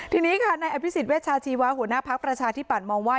ทีนี้ค่ะในอภิษฎเวชาชีวะหัวหน้าภักดิ์ประชาธิบัตย์มองว่า